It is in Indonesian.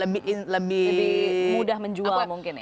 lebih lebih mudah menjual mungkin